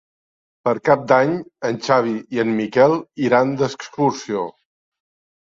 Per Cap d'Any en Xavi i en Miquel iran d'excursió.